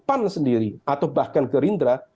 pan sendiri atau bahkan gerindra